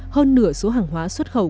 hơn nửa số hàng hóa xuất khẩu